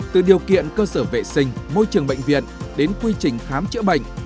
từ điều kiện cơ sở vệ sinh môi trường bệnh viện đến quy trình khám chữa bệnh